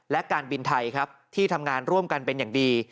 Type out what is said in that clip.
และการบินไทยครับที่ทำงานร่วมกันเป็นอย่างดี